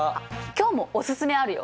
今日もおすすめあるよ。